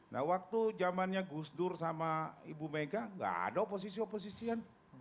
nah waktu zamannya gus dur sama ibu mega gak ada oposisi oposisian